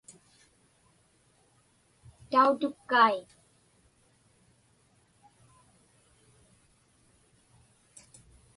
Tautukkai.